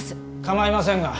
構いませんが。